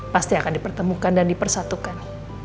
pasti akan dipertemukan dan dipersatukan